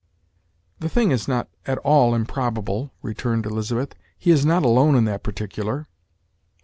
"The thing is not at all improbable," returned Elizabeth; "he is not alone in that particular."